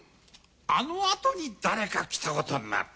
あのあとに誰か来たことになる。